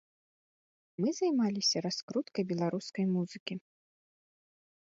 Мы займаліся раскруткай беларускай музыкі.